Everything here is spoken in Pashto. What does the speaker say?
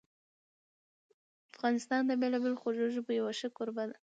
افغانستان د بېلابېلو خوږو ژبو یو ښه کوربه ده.